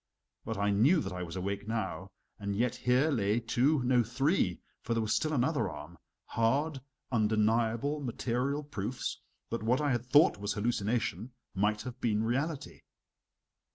But I knew that I was awake now, and yet here lay two no, three (for there was still another arm) hard, undeniable, material proofs that what I had thought was hallucination, might have been reality.